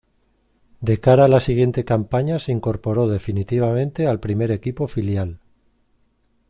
De cara a la siguiente campaña se incorporó definitivamente al primer equipo filial.